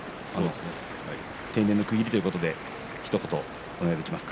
定年の区切りということでひと言お願いできますか。